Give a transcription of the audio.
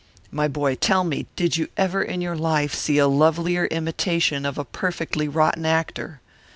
My boy, tell me, did you ever in all your life see a lovelier imitation of a perfectly rotten actor?